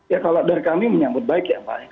ya kalau dari kami menyambut baik ya mbak